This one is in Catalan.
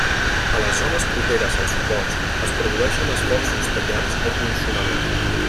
A les zones properes als suports es produeixen esforços tallants o punxonament.